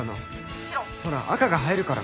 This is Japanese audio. ほら赤が映えるから。